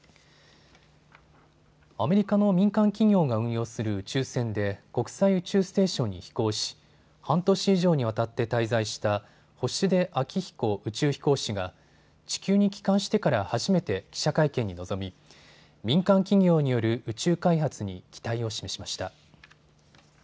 アメリカの民間企業が運用する宇宙船で国際宇宙ステーションに飛行し半年以上にわたって滞在した星出彰彦宇宙飛行士が地球に帰還してから初めて記者会見に臨み民間企業による宇宙開発に期待を示しました。